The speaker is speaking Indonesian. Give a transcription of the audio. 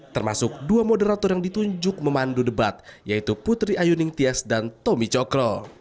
termasuk dua moderator yang ditunjuk memandu debat yaitu putri ayu ningtyas dan tommy cokro